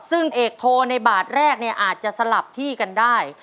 ซึ่งเอกโทในบาทแรกเนี่ยอาจจะสลับที่กันได้